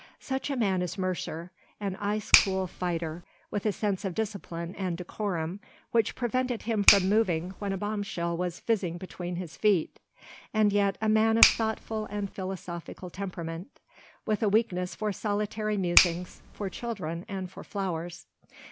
Such a man is Mercer, an ice cool fighter, with a sense of discipline and decorum which prevented him from moving when a bombshell was fizzing between his feet, and yet a man of thoughtful and philosophic temperament, with a weakness for solitary musings, for children, and for flowers.